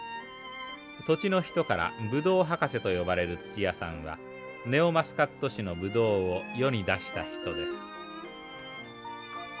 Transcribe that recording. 土地の人からブドウ博士と呼ばれる土屋さんはネオマスカット種のブドウを世に出した人です。